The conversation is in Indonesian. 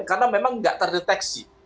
karena memang tidak terdeteksi